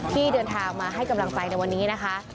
ที่เดินทางมาให้กำลังใจในวันนี้นะคะ